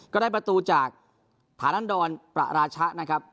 ก็ได้ประตูจากฐานันดรประราชะนะครับ